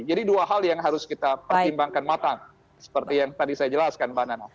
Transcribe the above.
jadi dua hal yang harus kita pertimbangkan matang seperti yang tadi saya jelaskan mbak nana